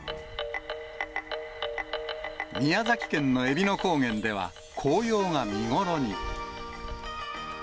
宮崎県のえびの高原では、紅葉が見頃に。